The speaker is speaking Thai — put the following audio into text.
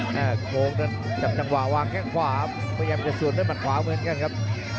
เปลี่ยนเข้ามาแห้งขวางแค่ขวาพยายามจะส่วนด้วยมันขวาเหมือนกันครับ